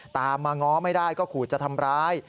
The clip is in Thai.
ตามมาง้อไม่ได้ก็ขู่จะทำร้าย